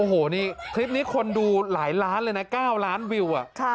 โอ้โหนี่คลิปนี้คนดูหลายล้านเลยนะ๙ล้านวิว